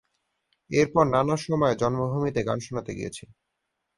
এরপর নানা সময়ে জন্মভূমিতে গান শোনাতে গিয়েছি।